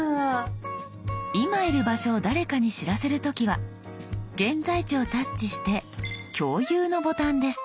今いる場所を誰かに知らせる時は「現在地」をタッチして「共有」のボタンです。